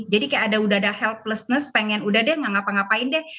jadi kayak ada udah ada helplessness pengen udah deh gak ngapa ngapain deh